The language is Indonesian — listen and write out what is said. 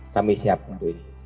kami siap untuk ini